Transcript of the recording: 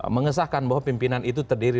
mengesahkan bahwa pimpinan itu terdiri